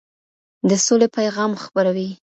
د سولې پيغام خپروي.